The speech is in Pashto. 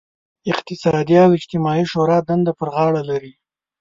اقتصادي او اجتماعي شورا دنده پر غاړه لري.